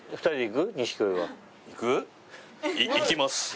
２人で行きます。